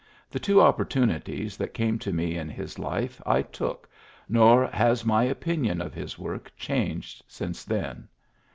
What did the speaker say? The two opportunities that came to me in his life I took, nor has my opinion of his work changed since then.